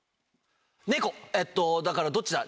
えっとだからどっちだ。